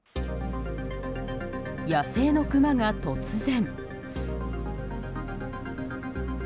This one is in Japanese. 野生のクマが突然。